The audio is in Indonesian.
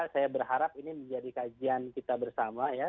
saya berharap ini menjadi kajian kita bersama ya